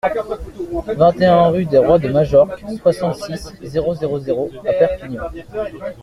vingt et un rue des Rois de Majorque, soixante-six, zéro zéro zéro à Perpignan